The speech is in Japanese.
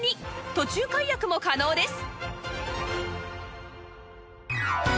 途中解約も可能です